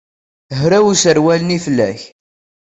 Hraw userwal-nni fell-ak.